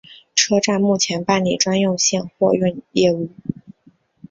车站目前办理专用线货运业务。